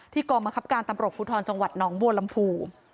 ที่กรมคับการตำรวจพุทธรจังหวัดน้องบัวลำภู